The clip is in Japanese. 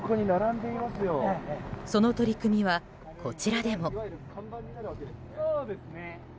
その取り組みはこちらでも。